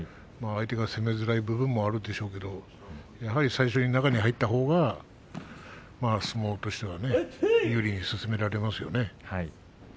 相手が攻めづらい部分もあるでしょうけどやはり最初に中に入ったほうが相撲としては有利に進められますよね。